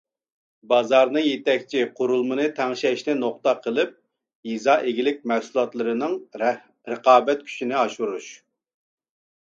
بازارنى يېتەكچى، قۇرۇلمىنى تەڭشەشنى نۇقتا قىلىپ، يېزا ئىگىلىك مەھسۇلاتلىرىنىڭ رىقابەت كۈچىنى ئاشۇرىدۇ.